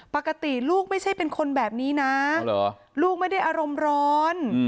ปกติลูกไม่ใช่เป็นคนแบบนี้นะลูกไม่ได้อารมณ์ร้อน